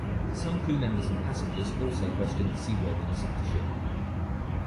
Some crew members and passengers also questioned the seaworthiness of the ship.